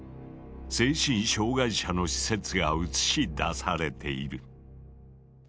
精神障害者の施設が映し出されている。